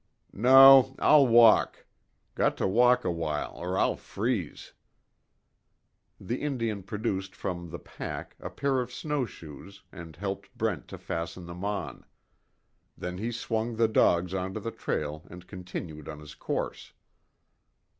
"No, I'll walk. Got to walk a while or I'll freeze." The Indian produced from the pack a pair of snowshoes and helped Brent to fasten them on. Then he swung the dogs onto the trail and continued on his course.